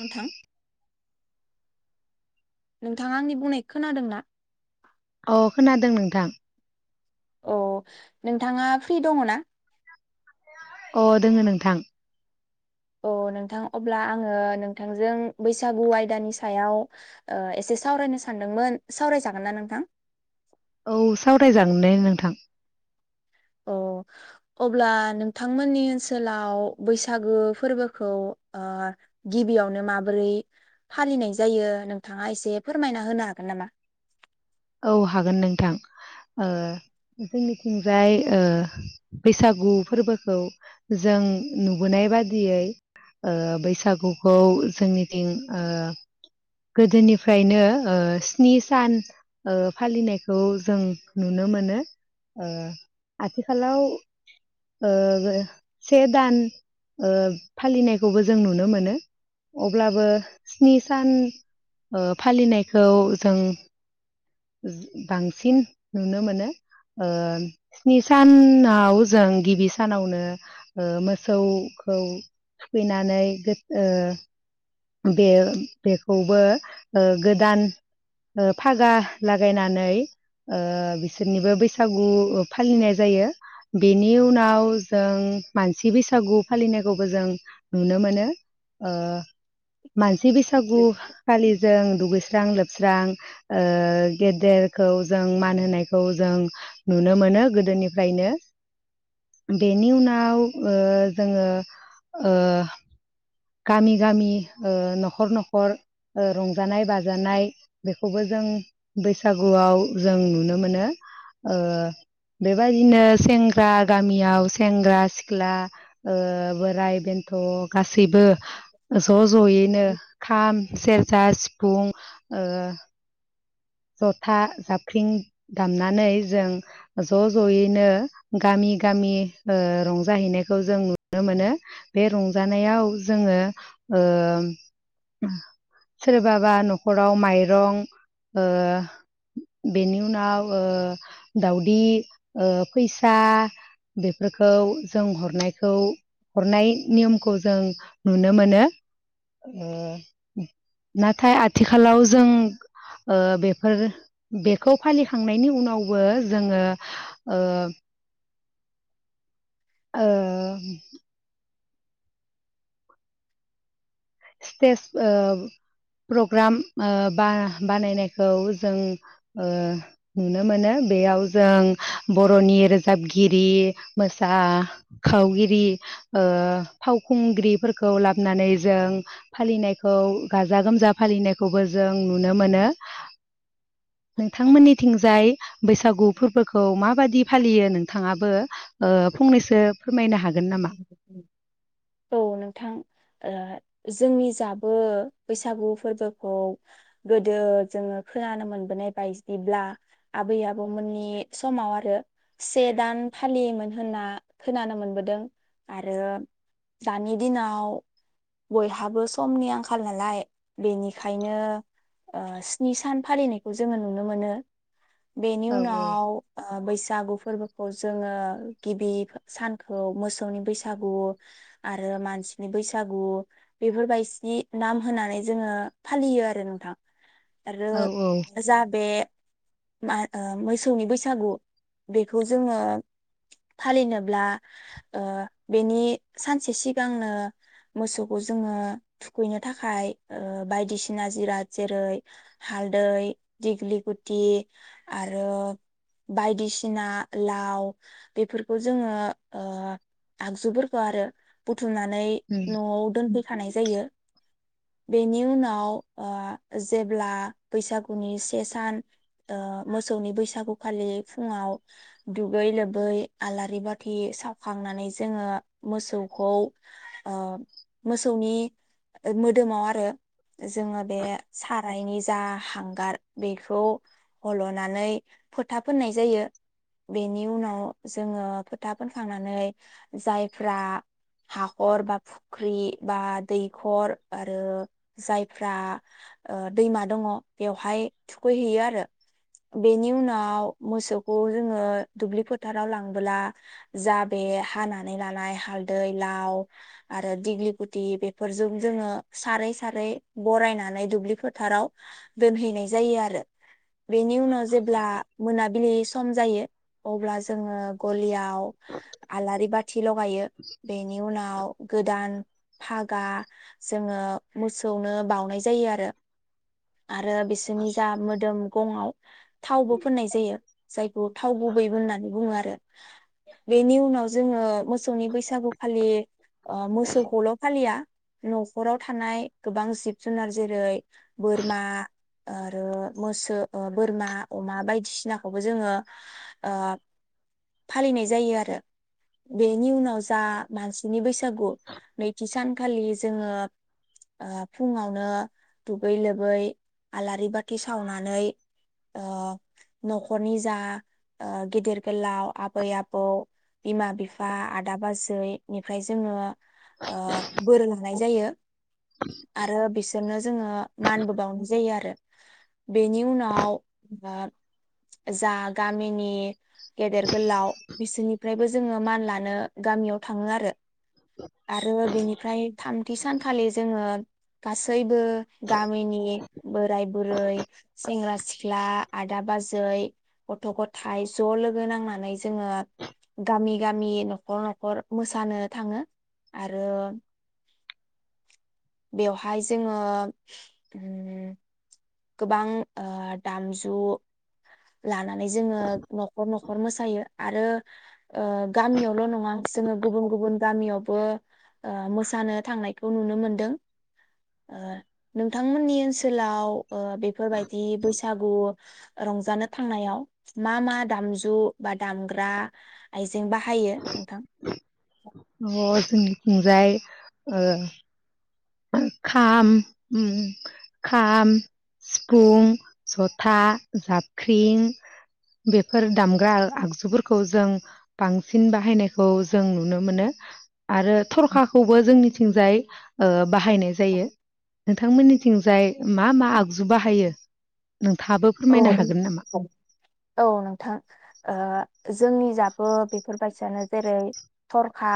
नोंथां नोंथाङा आंनि बुंनाय खोनादों ना औ खोनादों नोंथां अ नोंथाङा फ्रि दङ ना अ दोङ नोंथां औ नोंथां अब्ला आङो नोंथांजों बैसागु आयदानि सायाव ओ एसे सावरायनो सानदोंमोन सावरायजागोन ना नोंथां औ सावरायजागोनल नोंथां औ अब्ला नोंथांमोननि ओनसोलाव बैसागु फोरबोखौ ओ गिबियावनो माबोरै फालिनाय जायो नोंथाङा एसे फोरमायना होनो हागोन नामा औ हागोन नोंथां ओ जोंनिथिंजाय बैसागु फोरबोखौ जों नुबोनाय बादियै ओ बैसागुखौ जोंनिथिं ओ गोदोनिफ्रायनो स्नि सान फालिनायखौ जों नुनो मोनो आथिखालाव से दान फालिनायखौबो जों नुनो मोनो अब्लाबो स्नि सान फालिनायखौ जों बांसिन नुनो मोनो स्नि सानाव जों गिबि सानावनो मोसौखौ थुखैनानै बे बेखौबो गोदान फागा लागायनानै बिसोरनिबो बैसागु फालिनाय जायो बेनि उनाव जों मानसि बैसागु फालिनायखौबो जों नुनो मोनो मानसि बैसागु नामा खालि जों दुगैस्रां लोबस्रां गेदेरखौ जों मान होनायखौ जों नुनो मोनो गोदोनिफ्रायनो बेनि उनाव जोङो गामि गामि न'खर न'खर रंजानाय बाजानाय बेखौबो जों बैसागुआव जों नुनो मोनो बेबायादिनो सेंग्रा गामियाव सेंग्रा सिख्ला बोराय बेन्थ' गासै गासैबो ज'ज' जयैनो खाम सेरजा सिफुं जथा जाबख्रिं दामनानै जों ज' ज'यैनो गामि गामि रंजाहैनायखौ जों नुनो मोनो बे रंजानायाव जोङो सोरबाबा न'खराव माइरं बेनि उनाव दावउदै फैसा बेफोरखौ जों हरनायखौ हरनाय नियमखौ जों नुनो मोनो नाथाय आथिखालाव जों बेफोर बेखौ फालिखांनायनि उनावबो जोङो स्टेज प्रग्राम बानायनायखौ जों नुनो मोनो बेयाव जों बर'नि रोजाबगिरि मोसाखावगिरि फावखुंग्रिफोरखौ लाबोनानै जों फालिनायखौ गाजा गोमजा फालिनायखौबो जों नुनो मोनो नोंथांमोननिथिंजाय बैसागु फोरबोखौ माबादि फालियो नोंथाङाबो फंनैसो फोरमायनो हागोन नामा? औ नोंथां जोंनि जाबो बैसागु फोरबोखौ गोदो जोङो खोनानो मोनबोनाय बायदिब्ला आबै आबौमोननि समाव आरो से दान फालियोमोन होनना खोनानो मोनबोदों आरो दानि दिनाव बयहाबो समनि आंखाल नालाय बेनिखायनो स्नि सान फालिनायखौ जोङो नुनो मोनो बेनि औ उनाव बैसो बैसागु फोरबोखौ जोङो गिबि सानखौ मोसौ मोसौनि बैसागु आरो मानसिनि बैसागु बेफोरबायदि नाम होनानै जोङो फालियो आरो नोंथां आरो औ जा बे मा मोसौनि बैसागु बेखौ जोङो फालिनोब्ला बेनि सानसे सिगांनो मोसौखौ जोङो थुखैनो थाखाय बायदिसिना जिराद जेरै हालदै दिग्लि गुथि आरो बायदिसिना लाव बेफोरखौ जोङो आगजुफोरखौ आरो बुथुमनानै न'आव दोनफैनो थानाय जायो बेनि उनाव जेब्ला बैसागुनि से सान मोसौनि बैसागुखालि फुङाव दुगै लोबै आलारि बाथि सावखांना खांनानै जोङो मोसौखौ मोसौनि मोदोमाव आरो जोङो बे सारायनि जा हांगार बेखौ हल'नानै फोथा फोननाय जायो बेनि उनाव जोङो फोथा फोनखांनानै जायफ्रा हाखर बा फुख्रि बा दैखर आरो जायफ्रा दैमा दङ बेवहाय थुखैहैयो आरो बेनि उनाव मोसौखौ जोङो दुब्लि फोथाराव लांबोला जा बे हानानै लानाय हालदै लाव आरो दिग्लि गुथि बेफोरजों जोङो सारै सारै बरायनानै दुब्लि फोथाराव दोनहैनाय जायो आरो बेनि उनाव जेब्ला मोनाबिलि सम जायो अब्ला जोङो गलियाव आलारि बाथि लगायो बेनि उनाव गोदान फागा जोङो मोसौनो बाउनाय जायो आरो आरो बिसोरनि जा मोदोम गंआव थावबो फुननाय जायो जायखौ थाव गुबैबो होननानै बुङो आरो बेनि उनाव जोङो मोसौनि बैसागुखालि मोसौखौल' फालिया न'खराव थानाय गोबां जिब जुनार जेरै बोरमा आरो मोस बोरमा अमा बायदिसिनाखौबो जोङो फालिनाय जायो आरो बेनि उनाव जा मानसिनि बैसागु नैथि सानखालि जोङो फुङावनो दुगै लोबै आलारि बाथि सावनानै न'खरनि जा गेदेर गोलाव आबै आबौ बिमा बिफा आदा बाजैनिफ्राय जोङो ओ बोर नाय जायो आरो बि सोरनो जोङो मानबो बावनाय जायो आरो बेनि उनाव आ जा गामिनि गेदेर गोलाव बिसोरनि ओमफ्रायबो जोङो मान लानो गामियाव थाङो आरो आरो बेनिफ्राय थामथि सानखालि जोङो गासैबो गामिनि बोराय बुरै सेंग्रा सिख्ला आदा बाजै गथ' गथायाइ ज' लोगो नांनानै जोङो गामि गामि न'खर न'खर मोसानो उ थाङो आरो बेवहाय जोङो गोबां आ दामजु लानानै जोङो न'खर न' खर मोसायो आरो ओ गामियावल' नङा जोङो गुबुन गुबुन गामियावबो ओ मोसानो थांनायखौ नुनो मोनदों ओ नोंथांमोननि ओनसोलाव ओ बेफोरबायदि बैसागु रंजानो थांनायाव मा मा दामजु बा दामग्रा आ इजें बाहायो नोंथां अ जोंनि थिंजाय ओ खाम उ खाम सिफुं जथा जाबख्रिं बेफोर दामग्रा आगजुफोरखौ जों बांसिन बाहायनायखौ जों नुनो मोनो आरो थरखाखौबो जोंनि थिंजाय ओ बाहायनाय जायो नोंथांमोननिथिंजाय मा मा आगजु बाहायो नोंथाङाबो औ फोरमायनो हागोन नामा? [unintelligible] औ नोंथां ओ जोंनि जाबो बेफोरबायसियानो जेरै थरखा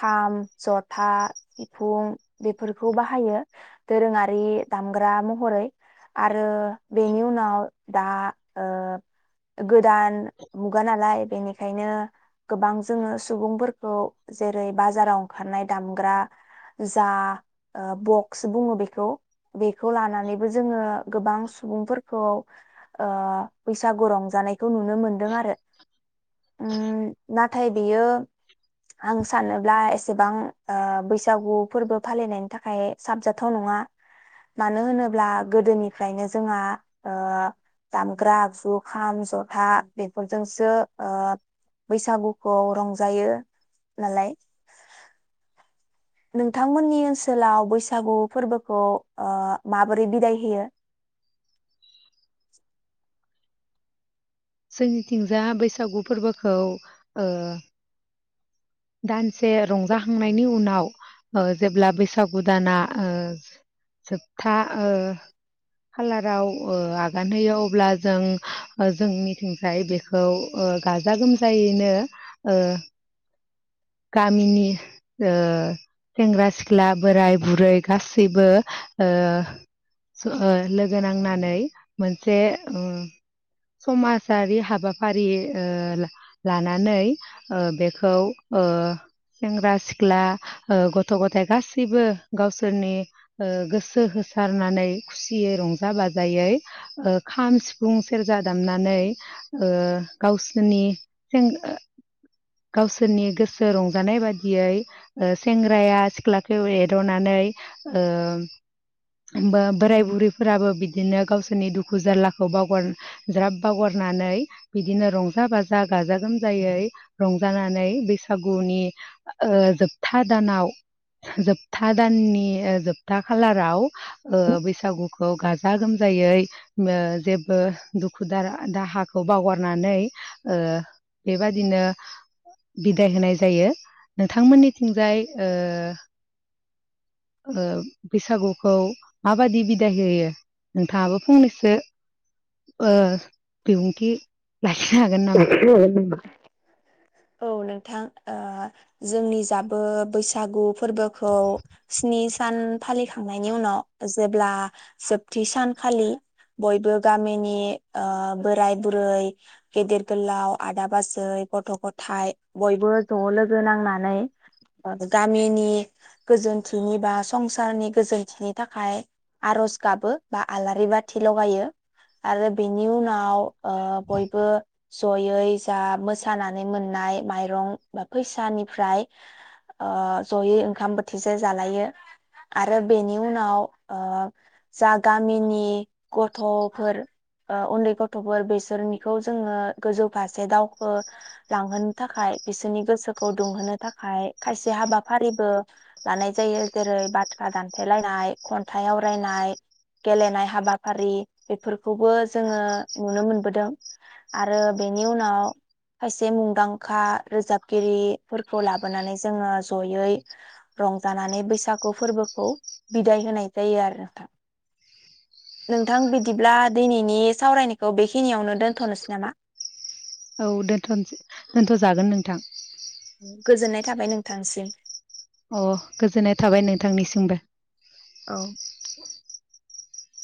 खाम जथा सिफुं बेफोरखौ बाहायो दोरोङारि दामग्रा महरै आरो बेनि उनाव दा ओ गोदान गोदान मुगा नालाय बेनिखायनो गोबां जोङो सुबुंफोरखौ जेरै बाजाराव ओंखारनाय दामग्रा जा ओ बक्स बुङो बेखौ बेखौ लानानैबो जोङो गोबां सुबुंफोर खौ ओ बैसागु रंजानायखौ नुनो मोनदों आरो उ नाथाय बियो आं सानोब्ला एसेबां ओ बैसागु फोरबो फालिनायनि थाखाय साबजाथाव नङा मानो होनोब्ला गोदोनिफ्रायनो जोंहा ओ दामग्रा आगजु खाम जथा बेफोरजोंसो ओ बैसागुखौ रंजायो नालाय नोंथांमोननि ओनसोलाव बैसागु फोरबोखौ ओ माबोरै बिदाय होयो जोंनिथिंजा बैसागु फोरबोखौ ओ दानसे रंजाखांनायनि उनाव ओ जेब्ला बैसागु दाना ओ जोबथा ओ खालाराव ओ आगान होयो अब्ला जों जोंनिथिंजाय बेखौ ओ गाजा गोमजायैनो ओ गामिनि ओ सेंग्रा सिख्ला बोराय बुरै गासैबो ओ ओ लोगो नांनानै मोनसे ओ समाजारि हाबाफारि ओ लानानै ओ बेखौ ओ सेंग्रा सिख्ला ओ गथ' गथाइ गासैबो गावसोरनि ओ गोसो होसारनानै खुसियै रंजा बाजायै ओ खाम सिफुं सेरजा दामनानै ओ गावसोरनि सिं गावसोरनि गोसो रंजानाय बादियै ओ सेंग्राया सिख्लाखौ एदावनानै ओ बा बोराय बुरैफोराबो बिदिनो गाव सोरनि दुखु जारलाखौ बावगार ज्राब बावगारनानै बिदिनो रंजा बाजा गाजा गोमजायै रं जानानै बै सागुनि ओ जोबथा दानाव जोबथा दाननि जोबथा खालाराव ओ बैसागुखौ गाजा गोमजायै ओ जेबो दुखु दारा दाहाखौ बावगारनानै ओ बेबादिनो बिदाय होनाय जायो नोंथांमोननिथिंजाय ओ ओ बैसागुखौ माबादि बिदाय होयो नोंथाङाबो फंनैसो ओ बिबुंथि लाखिनो हागोन नामा औ नोंथां ओ जोंनि जाबो बैसागु फोरबोखौ स्नि सान फालिखांनायनि उनाव जेब्ला जोबथि सानखालि बयबो गामिनि ओ बोराय बुरै गेदेर गोलाव आदा बाजै गथ' ग थाइ बयबो ज' लोगो नांनानै गामिनि गोजोनथिनि बा संसारनि गोजोनथिनि थाखाय आर'ज गाबो बा आलारि बाथि लगायो आरो बेनि उनाव ओ बयबो जयै जा मोसाना नै मोननाय माइरं बा फैसानिफ्राय ओ जयै ओंखाम बोथिसे जालायो आरो बेनि उनाव ओ जा गामिनि गथफोर उन्दै गथफोर बेसोरनिखौ जोङो गोजौ फारसे दावखो लांहोनो थाखाय बिसोरनि गोसोखौ दुंहोनो थाखाय खायसे हाबाफारिबो लानाय जायो जेरै बाथ्रा दानथेलायनाय खन्थाइ आवरायनाय गेलेनाय हाबाफारि बेफोरखौबो जोङो नुनो मोनबोदों आरो बेनि उनाव खाय से मुंदांखा रोजाबगिरिफोरखौ लाबोनानै जोङो जयै रंजानानै बैसागु फोरबोखौ बिदाय होनाय जायो आरो नोंथां नोंथां बिदिब्ला दिनैनि सावरायनायखौ बेखिनियावनो दोन्थनोसै नामा औ दोनथनो दोनथजागोन नोंथां गोजोननाय थाबाय नोंथांसिम अ गोजोननाय थाबाय नोंथांनिसिमबो औ